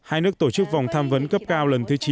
hai nước tổ chức vòng tham vấn cấp cao lần thứ chín